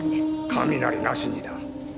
雷なしにだ。